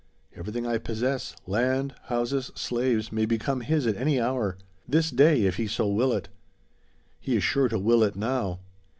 Everything I possess, land, houses, slaves, may become his at any hour; this day, if he so will it. He is sure to will it now.